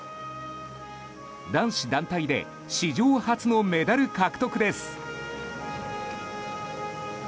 男子団体で史上初のメダル獲得です。